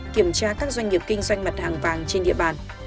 kiểm tra các doanh nghiệp kinh doanh mặt hàng vàng trên địa bàn